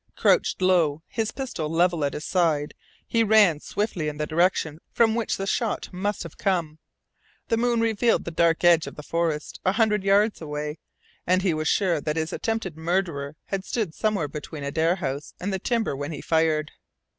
Crouched low, his pistol level at his side, he ran swiftly in the direction from which the shot must have come. The moon revealed the dark edge of the forest a hundred yards away, and he was sure that his attempted murderer had stood somewhere between Adare House and the timber when he fired.